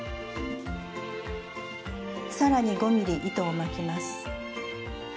さらに５ｍｍ糸を巻きます。